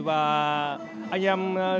và anh em chúng tôi